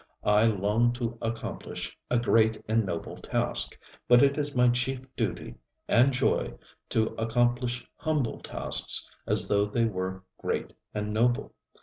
I long to accomplish a great and noble task; but it is my chief duty and joy to accomplish humble tasks as though they were great and noble.